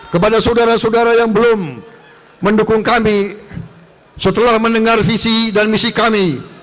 kepada saudara saudara yang belum mendukung kami setelah mendengar visi dan misi kami